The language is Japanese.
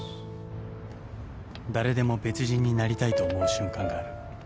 ［誰でも別人になりたいと思う瞬間がある］